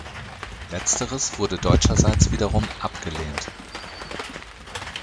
Letzteres wurde deutscherseits wiederum abgelehnt.